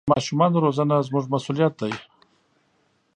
د ماشومانو روزنه زموږ مسوولیت دی.